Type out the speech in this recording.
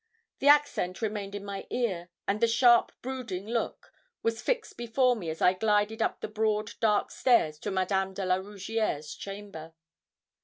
The accent remained in my ear, and the sharp brooding look was fixed before me as I glided up the broad dark stairs to Madame de la Rougierre's chamber.